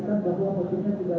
kenapa psk ini tidak memandalkan